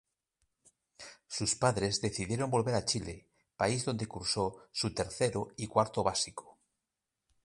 Sus padres decidieron volver a Chile, país donde cursó su tercero y cuarto básico.